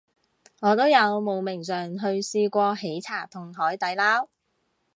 我都有慕名上去試過喜茶同海底撈